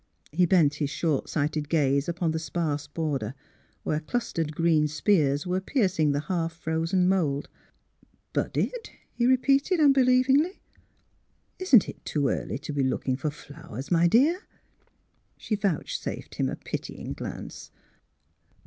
He bent his short sighted gaze upon the sparse border, where clustered green spears were pierc ing the half frozen mould. " Budded? " he repeated, unbelievingly. '' Isn't it too early to be looking for flowers, my dearl " She vouchsafed him a pitying glance.